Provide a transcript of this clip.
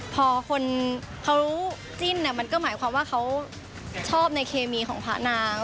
พอคนเขารู้จิ้นมันก็หมายความว่าเขาชอบในเคมีของพระนาง